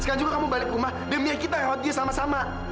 sekarang juga kamu balik rumah dan biar kita rawat dia sama sama